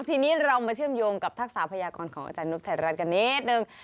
ทีนี้เรามาเชื่อมโยงกับทักษะพยากรของอาจารย์นุ๊กไทยรัฐกันนิดนึง